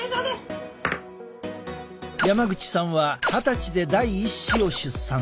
山口さんは二十歳で第１子を出産。